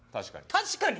「確かに」